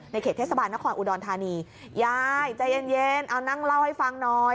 เขตเทศบาลนครอุดรธานียายใจเย็นเอานั่งเล่าให้ฟังหน่อย